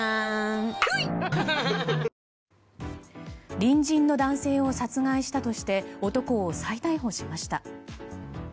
隣人の男性を殺害したとして男を再逮捕しました。